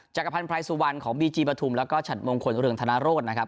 จักรพันธ์ไพรสุวรรณของบีจีปฐุมแล้วก็ฉัดมงคลเรืองธนโรธนะครับ